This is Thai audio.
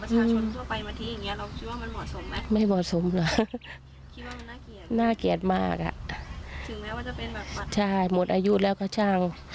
ถึงแม้ว่าจะเป็นแบบใช่หมดอายุแล้วก็ช่าง